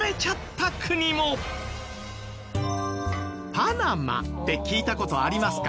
パナマって聞いた事ありますか？